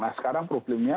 nah sekarang problemnya